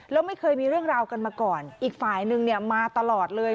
แล้วไม่เคยมีเรื่องราวกันมาก่อนอีกฝ่ายนึงเนี่ยมาตลอดเลย